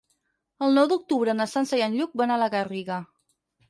El nou d'octubre na Sança i en Lluc van a la Garriga.